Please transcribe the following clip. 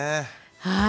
はい。